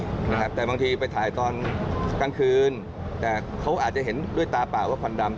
นะครับแต่บางทีไปถ่ายตอนกลางคืนแต่เขาอาจจะเห็นด้วยตาเปล่าว่าควันดำ